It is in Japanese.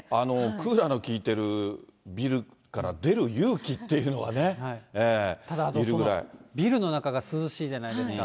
クーラーの効いてるビルから出る勇気っていうのはね、ただ、ビルの中が涼しいじゃないですか。